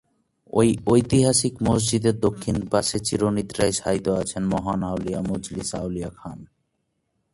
এ ঐতিহাসিক মসজিদের দক্ষিণ পাশে চির নিন্দ্রায় শায়িত আছেন মহান আউলিয়া মজলিস আউলিয়া খান।